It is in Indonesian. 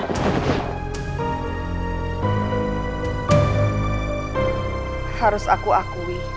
hai harus aku akui